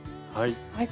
はい。